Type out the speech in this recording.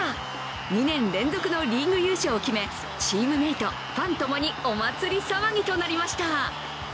２年連続のリーグ優勝を決めチームメート、ファンともにお祭り騒ぎとなりました。